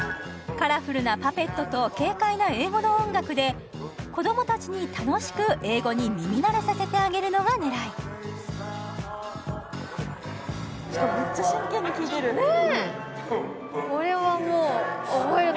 カラフルなパペットと軽快な英語の音楽で子供たちに楽しく英語に耳慣れさせてあげるのが狙いねえ！